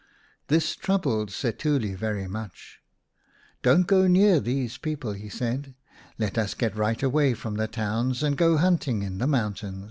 This troubled Setuli very much. " Don't go near these people," said he. " Let us get right away from the towns and go hunting in the mountains."